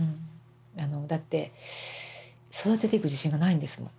だって育てていく自信がないんですもん。